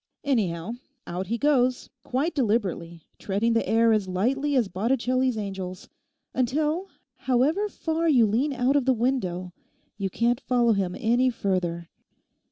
Anyhow, out he goes quite deliberately, treading the air as lightly as Botticelli's angels, until, however far you lean out of the window, you can't follow him any further.